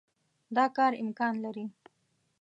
دا کار امکان لري.